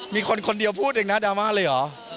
มีคนคนเดียวพูดเองนะดราม่าเลยเหรอ